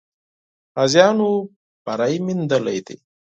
غازیانو بری موندلی دی.